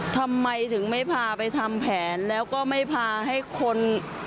ทำไมถึงไม่พาไปทำแผนแล้วก็ไม่พาให้คน